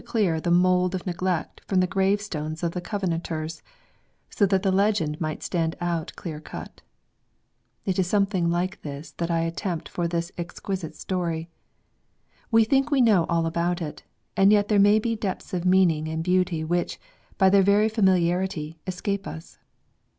clear the mould of neglect from the gravestones of the Covenanters, so that the legend might stand out clear cut. It is something like this that I attempt for this exquisite story. We think we know all about it ; and yet there may be depths of meaning and beauty which, by their very familiarity, escape us.